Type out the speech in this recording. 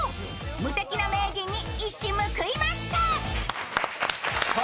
無敵の名人に一矢報いました。